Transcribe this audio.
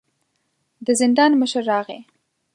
د زندان مشر راغی.